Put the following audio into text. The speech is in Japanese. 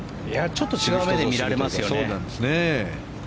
ちょっと違う目で見られますよね。